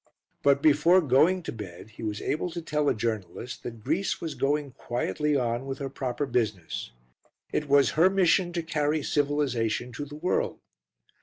But before going to bed he was able to tell a journalist that Greece was going quietly on with her proper business; it was her mission to carry civilisation to the world.